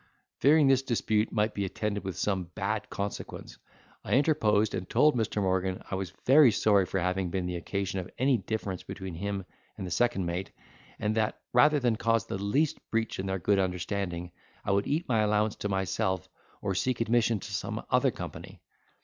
Fearing this dispute might be attended with some bad consequence, I interposed, and told Mr. Morgan I was very sorry for having been the occasion of any difference between him and the second mate; and that, rather than cause the least breach in their good understanding, I would eat my allowance to myself, or seek admission into some other company.